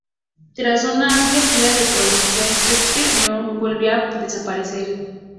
Tras una amplia gira de promoción Peter Murphy volvía a desaparecer.